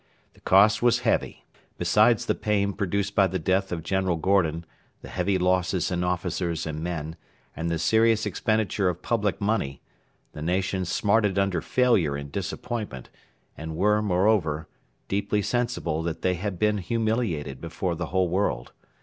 The cost was heavy. Besides the pain produced by the death of General Gordon, the heavy losses in officers and men, and the serious expenditure of public money, the nation smarted under failure and disappointment, and were, moreover, deeply sensible that they had been humiliated before the whole world.